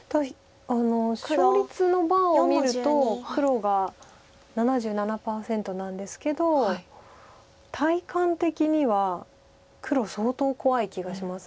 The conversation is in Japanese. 勝率のバーを見ると黒が７７％なんですけど体感的には黒相当怖い気がします。